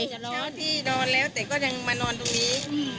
เช้าที่นอนแล้วแต่ก็ยังมานอนตรงนี้